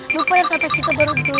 lupa ya kata kita baru belum